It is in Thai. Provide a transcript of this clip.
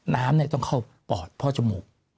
น้ำต้องเข้าปอดเพราะจมูก